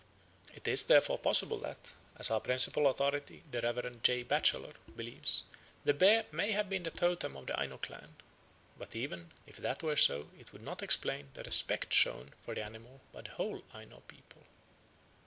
It is therefore possible that, as our principal authority, the Rev. J. Batchelor, believes, the bear may have been the totem of an Aino clan; but even if that were so it would not explain the respect shown for the animal by the whole Aino people.